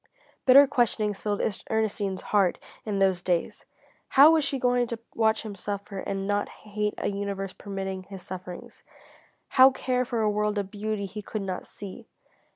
Bitter questionings filled Ernestine's heart in those days. How was she going to watch him suffer and not hate a universe permitting his sufferings? How care for a world of beauty he could not see?